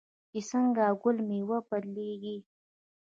چې څنګه ګل په میوه بدلیږي.